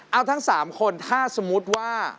เอาทั้ง๓คนถ้าสมมุติว่า